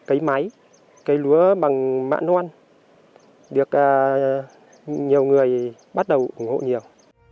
được cấy máy cấy lúa bằng mạng non được nhiều người bắt đầu ủng hộ nhiều